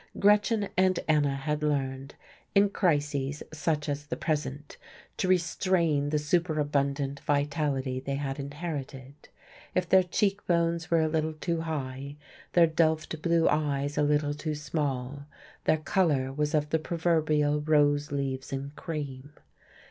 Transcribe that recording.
Gretchen and Anna had learned in crises, such as the present to restrain the superabundant vitality they had inherited. If their cheekbones were a little too high, their Delft blue eyes a little too small, their colour was of the proverbial rose leaves and cream.